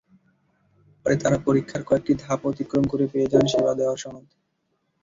পরে তারা পরীক্ষার কয়েকটি ধাপ অতিক্রম করে পেয়ে যান সেবা দেওয়ার সনদ।